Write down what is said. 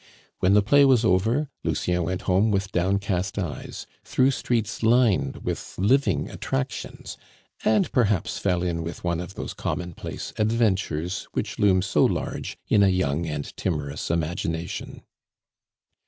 When the play was over, Lucien went home with downcast eyes, through streets lined with living attractions, and perhaps fell in with one of those commonplace adventures which loom so large in a young and timorous imagination.